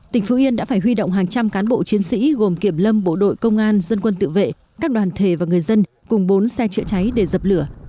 tỉnh phú yên đã phải huy động hàng trăm cán bộ chiến sĩ gồm kiểm lâm bộ đội công an dân quân tự vệ các đoàn thể và người dân cùng bốn xe chữa cháy để dập lửa